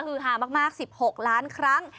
คือฮามาก๑๖ล้านครั้ง